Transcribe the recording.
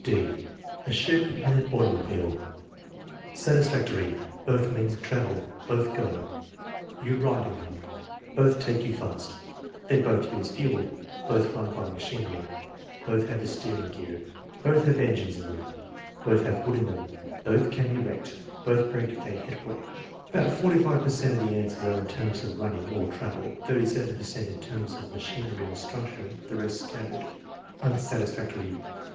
(d) A ship and an automobile Satisfactory. "Both means of travel." "Both go." "You ride in them." "Both take you fast." "They both use fuel." "Both run by machinery." "Both have a steering gear." "Both have en gines in them." "Both have wood in them." "Both can be wrecked." "Both break if they hit a rock." About 45 per cent of the answers are in terms of running or travel, 37 per cent in terms of machinery or structure, the rest scat tered. Unsatisfactory.